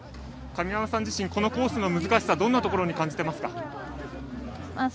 神山さん自身このコースの難しさどういうところに感じていますか。